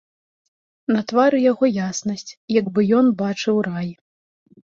На твары яго яснасць, як бы ён бачыў рай.